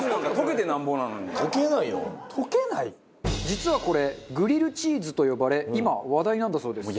実はこれグリルチーズと呼ばれ今話題なんだそうです。